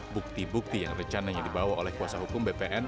bukti bukti yang rencananya dibawa oleh kuasa hukum bpn